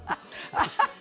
アハハハ！